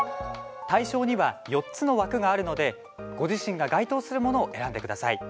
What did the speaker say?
対象には４つの枠があるのでご自身が該当するものを選んでください。